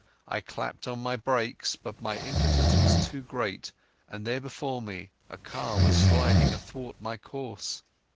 I clapped on my brakes, but my impetus was too great, and there before me a car was sliding athwart my course.